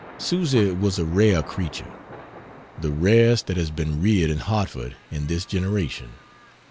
Susy was a rare creature; the rarest that has been reared in Hartford in this generation.